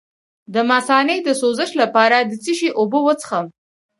د مثانې د سوزش لپاره د څه شي اوبه وڅښم؟